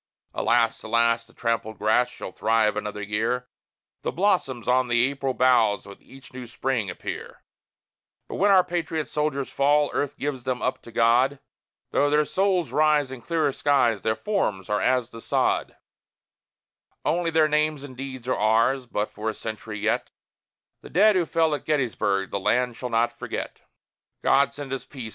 Alas! alas! the trampled grass shall thrive another year, The blossoms on the apple boughs with each new Spring appear, But when our patriot soldiers fall, Earth gives them up to God; Though their souls rise in clearer skies, their forms are as the sod; Only their names and deeds are ours, but, for a century yet, The dead who fell at Gettysburg the land shall not forget. God send us peace!